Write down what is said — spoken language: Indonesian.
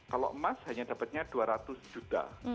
kalau emas hanya dapatnya dua ratus juta